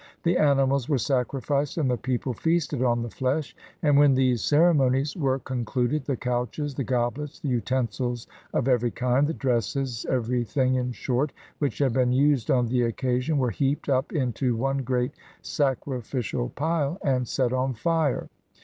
The ani mals were sacrificed, and the people feasted on the flesh ; and when these ceremonies were concluded, the couches, 310 HOW CYRUS WON THE LAND OF GOLD the goblets, the utensils of every kind, the dresses, everything, in short, which had been used on the occa sion, were heaped up into one great sacrificial pile, and set on fire.